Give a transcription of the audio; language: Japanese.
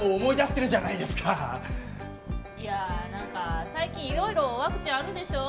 いやなんか最近いろいろワクチンあるでしょ？